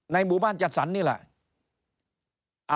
หมู่บ้านจัดสรรนี่แหละ